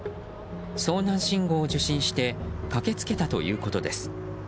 遭難信号を受信して駆け付けたということです。